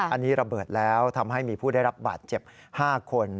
อันนี้ระเบิดแล้วทำให้มีผู้ได้รับบาดเจ็บ๕คน